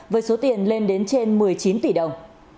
với số tiền lên đến trên một mươi chín tỷ đồng